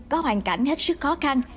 có hoàn cảnh hết sức khó khăn